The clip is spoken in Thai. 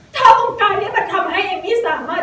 ถ้าโอกาสนี้มันทำให้เอมมี่สามารถ